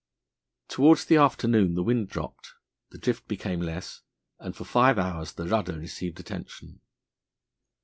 Towards the afternoon the wind dropped, the drift became less, and for five hours the rudder received attention.